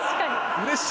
うれしい。